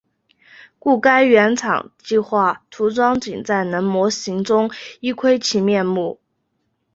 故该原厂计画涂装仅能在模型中一窥其面目。